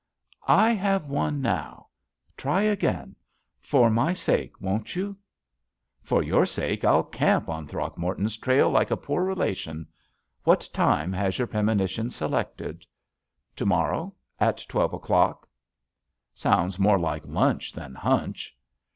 *'I have one now. Try again — for my sake, won't you?" *Tor your sake, Til camp on Throckmor ton's trail like a poor relation. What time has your premonition selected?" "To morrow at twelve o'clock." "Sounds more like lunch than hunch."